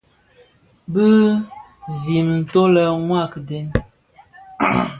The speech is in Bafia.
Bizim nto le mua a kiden.